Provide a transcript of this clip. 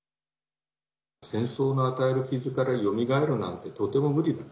戦争の与える傷からよみがえるなんて、とても無理だ。